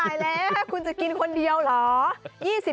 ตายแล้วคุณจะกินคนเดียวเหรอ